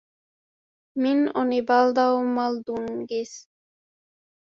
Min oni baldaŭ maldungis.